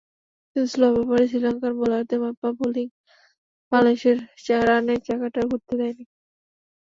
কিন্তু স্লভ ওভারে শ্রীলঙ্কান বোলারদের মাপা বোলিং বাংলাদেশের রানের চাকাটা ঘুরতে দেয়নি।